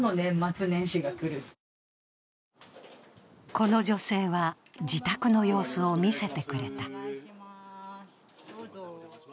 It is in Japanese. この女性は、自宅の様子を見せてくれた。